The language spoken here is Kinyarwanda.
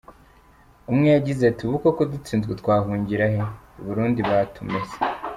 Umwe yagize ati: “ubu koko dutsinzwe twahungirahe?” “i Burundi batumesa!